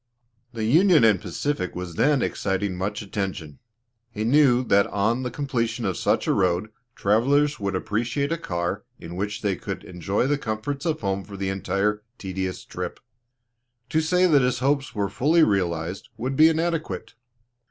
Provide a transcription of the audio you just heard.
The Union and Pacific was then exciting much attention. He knew that on the completion of such a road, travelers would appreciate a car in which they could enjoy the comforts of home for the entire tedious trip. To say that his hopes were fully realized, would be inadequate.